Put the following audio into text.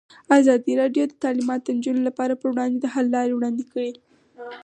ازادي راډیو د تعلیمات د نجونو لپاره پر وړاندې د حل لارې وړاندې کړي.